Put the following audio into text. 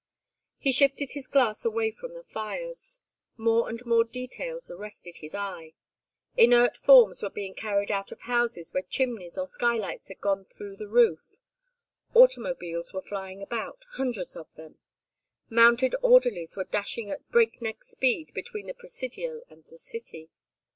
He shifted his glass away from the fires. More and more details arrested his eye. Inert forms were being carried out of houses where chimneys or skylights had gone through the roof. Automobiles were flying about, hundreds of them. Mounted orderlies were dashing at breakneck speed between the Presidio and the city.